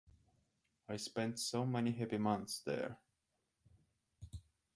I spent so many happy months there!